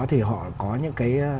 thì họ có những cái